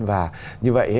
và như vậy